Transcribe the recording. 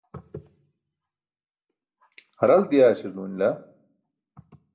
haralat diyaarśar duunila